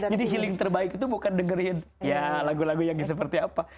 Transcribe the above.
jadi healing terbaik itu bukan dengerin ya lagu lagu yang seperti apa